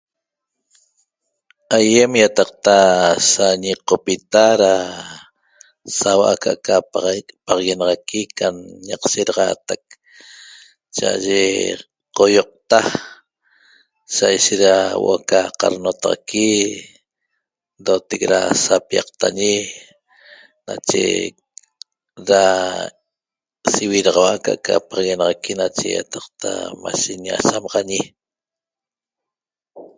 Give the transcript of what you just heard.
Ayem yataqta sa ñiqopita da saua aca'aca paxaguenaxaqui cam ñaq nshidaxaatac cha'aye qoyoqta sa ishet da huo'o ca qadnotaxaqui ndotec da sapiaqtañi nache da sividaxaua aca'aca paxaguenaxaqui nache yataqta mashi ñasamaxañi